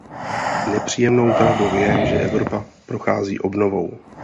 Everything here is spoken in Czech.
Nepříjemnou pravdou je, že Evropa prochází obnovou.